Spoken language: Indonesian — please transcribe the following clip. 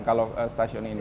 kalau stasiun ini